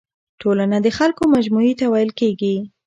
ټولنه د خلکو مجموعي ته ويل کيږي.